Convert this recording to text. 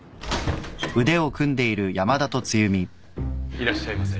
いらっしゃいませ。